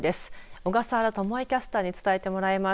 小笠原知恵キャスターに伝えてもらいます。